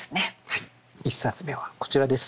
はい１冊目はこちらです。